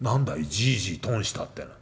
『じいじとんした』ってのは。